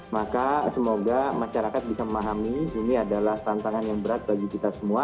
maka semoga masyarakat bisa memahami ini adalah tantangan yang berat bagi kita semua